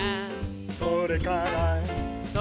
「それから」